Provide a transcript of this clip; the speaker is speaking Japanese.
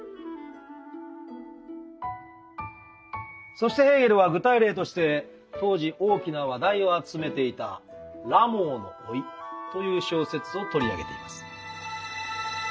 そしてヘーゲルは具体例として当時大きな話題を集めていた「ラモーの甥」という小説を取り上げています。